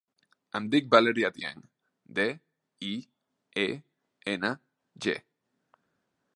Em dic Valèria Dieng: de, i, e, ena, ge.